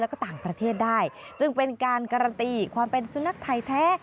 แล้วก็ต่างประเทศได้จึงเป็นการการันตีความเป็นสุนัขไทยแท้